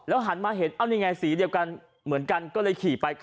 หันมาเห็นเอ้านี่ไงสีเดียวกันเหมือนกันก็เลยขี่ไป